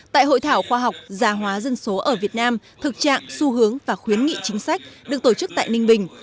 tại hội thảo khoa học gia hóa dân số ở việt nam thực trạng xu hướng và khuyến nghị chính sách được tổ chức tại ninh bình